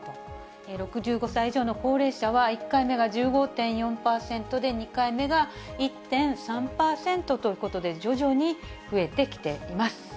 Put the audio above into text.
６５歳以上の高齢者は、１回目が１５．４％で、２回目が１．３％ということで、徐々に増えてきています。